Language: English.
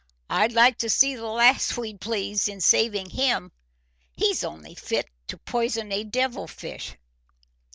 "I'd like to see the lass we'd please in saving him. He's only fit to poison a devil fish!"